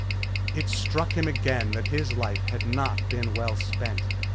It struck him again that his life had not been well spent.